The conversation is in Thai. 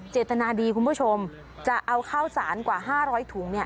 เจตนาดีคุณผู้ชมจะเอาข้าวสารกว่า๕๐๐ถุง